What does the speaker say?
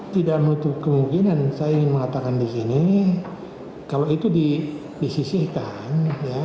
tidak menutup kemungkinan saya ingin mengatakan di sini kalau itu disisihkan